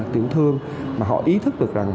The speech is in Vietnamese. tiểu thương mà họ ý thức được rằng